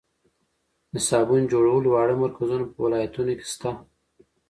د صابون جوړولو واړه مرکزونه په ولایتونو کې شته.